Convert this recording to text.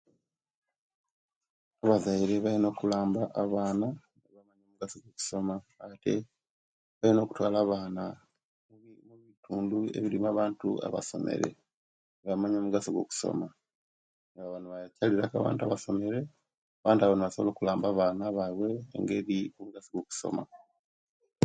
Abazaire balina okulamba abaana omugaso kwakusoma ate balina okutwala abaana mubitundu ebirimu abantu abasomere nebamanya omugaso kwakusoma nebaba nebakyalilaku abantu abasomere nebasobola okulamba abaana bbaiwe engeri omugaso gwo'kusoma